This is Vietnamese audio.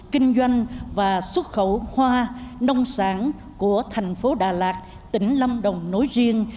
kinh doanh và xuất khẩu hoa nông sản của thành phố đà lạt tỉnh lâm đồng nói riêng